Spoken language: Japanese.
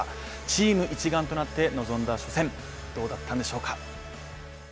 チーム一丸となって臨んだ初戦、どうだったんでしょうか。